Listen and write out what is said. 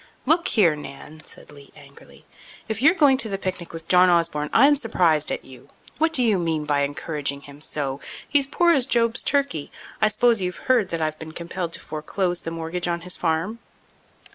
"Look here, Nan," said Lee angrily, "if you're going to the picnic with John Osborne I'm surprised at you. What do you mean by encouraging him so? He's as poor as Job's turkey. I suppose you've heard that I've been compelled to foreclose the mortgage on his farm."